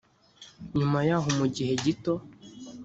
nyuma yaho mu gihe gito